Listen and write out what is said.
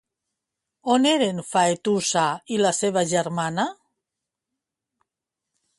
On eren Faetusa i la seva germana?